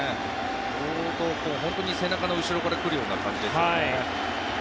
相当、背中の後ろから来るような感じですけどね。